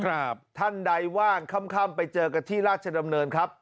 ครับท่านใดว่างค่ำไปเจอกับที่ราชดำเนินครับ